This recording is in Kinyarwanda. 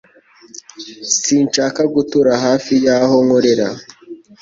Sinshaka gutura hafi y'aho nkorera